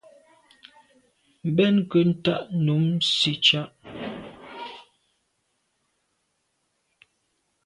Mbèn nke ntà num nsitsha’a.